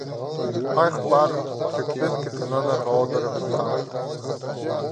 Майых парып, тӧкпеске тынанарға одырыбысхам.